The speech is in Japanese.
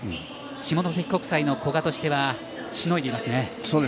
下関国際の古賀としてはしのいでいますね。